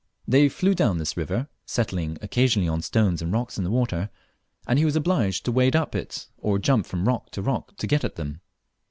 They flew down this river, settling occasionally on stones and rocks in the water, and he was obliged to wade up it or jump from rock to rock to get at them.